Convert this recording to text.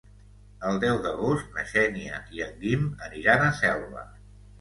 El deu d'agost na Xènia i en Guim aniran a Selva.